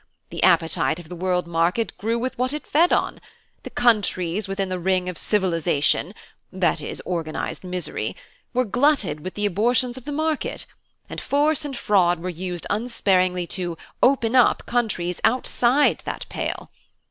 The appetite of the World Market grew with what it fed on: the countries within the ring of 'civilisation' (that is, organised misery) were glutted with the abortions of the market, and force and fraud were used unsparingly to 'open up' countries outside that pale.